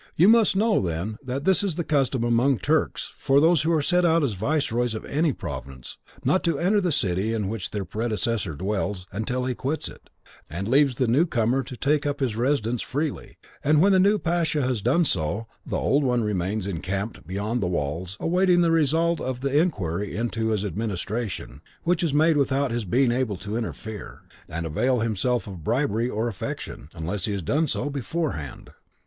"You must know, then, that it is the custom among the Turks, for those who are sent as viceroys of any province, not to enter the city in which their predecessor dwells until he quits it, and leaves the new comer to take up his residence freely; and when the new pasha has done so, the old one remains encamped beyond the walls, waiting the result of the inquiry into his administration, which is made without his being able to interfere, and avail himself of bribery or affection, unless he has done so beforehand.